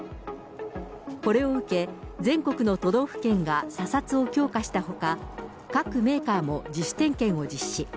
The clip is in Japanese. これを受け、全国の都道府県が査察を強化したほか、各メーカーも自主点検を実施。